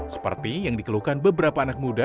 seperti yang dikeluhkan beberapa anak muda